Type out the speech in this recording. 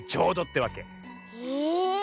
へえ。